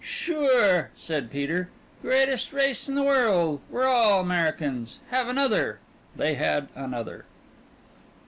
"Sure," said Peter. "Greatest race in the world! We're all Americans! Have another." They had another.